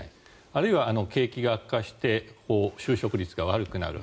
あるいは、景気が悪化して就職率が悪くなる。